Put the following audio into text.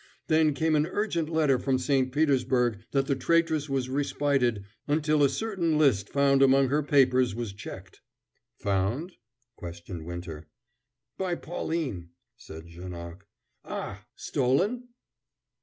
Then came an urgent letter from St. Petersburg that the traitress was respited until a certain list found among her papers was checked " "Found?" questioned Winter. "By Pauline," said Janoc. "Ah, stolen?"